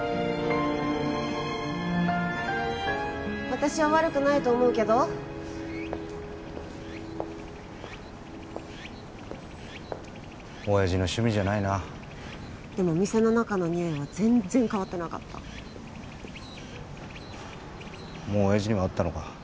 私は悪くないと思うけど親父の趣味じゃないなでもお店の中のにおいは全っ然変わってなかったもう親父には会ったのか？